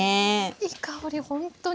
いい香りほんとに。